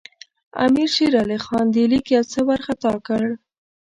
امیر شېر علي خان دې لیک یو څه وارخطا کړ.